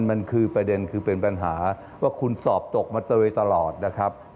มันคือประเด็นคือเป็นปัญหาว่าคุณสอบตกมาเตยตลอดนะครับ